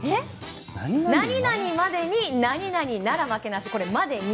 何々までに何々なら負けなし。